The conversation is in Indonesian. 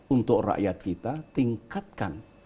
untuk rakyat kita tingkatkan